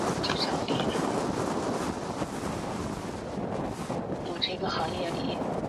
但是由于这种指针设计极易导致飞行员在压力下误读当前海拔高度而被淘汰。